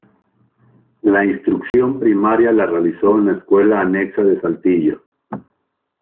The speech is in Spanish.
La instrucción primaria la realizó en la escuela Anexa de Saltillo.